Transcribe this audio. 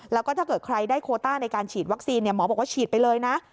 แล้วก็ถ้าเกิดใครได้โคต้าในการฉีดวัคซีนหมอบอกว่าฉีดไปเลยนะ